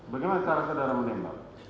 bagaimana cara saudara menembak